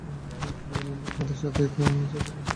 তিনি বললেন, তোমাদের সাথী অর্থাৎ আমার দিকে তাকাও।